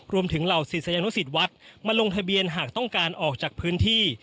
เหล่าศิษยานุสิตวัดมาลงทะเบียนหากต้องการออกจากพื้นที่